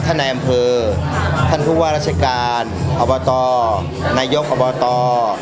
ท่านในอำเภอท่านผู้ว่ารัฐกาลอบาตรนายกอบาตร